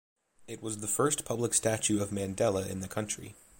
It was the first public statue of Mandela in the country.